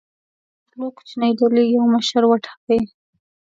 د غلو کوچنۍ ډلې یو مشر وټاکي.